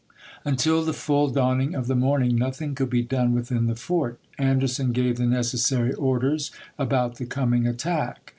Until the full dawning of the morning, nothing could be done within the fort. Anderson gave the necessary orders about the 48 ABEAHAM LINCOLN Chap. III. comiiig attack.